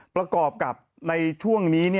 ประกอบกับในช่วงนี้